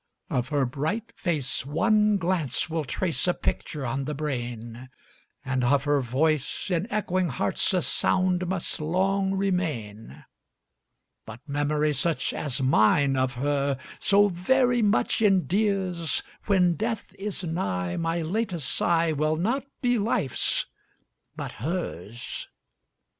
Of her bright face one glance will trace a picture on the brain, And of her voice in echoing hearts a sound must long remain; But memory such as mine of her so very much endears, When death is nigh my latest sigh will not be life's but hers.